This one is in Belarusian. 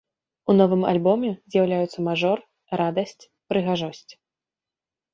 У новым альбоме з'яўляюцца мажор, радасць, прыгажосць.